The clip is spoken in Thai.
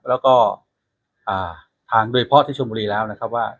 แล้วก็ทางโดยเฉพาะที่ชมบุรีแล้วนะครับว่า